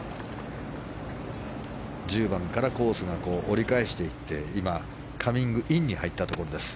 １０番からコースが折り返していって今、カミングインに入ったところです。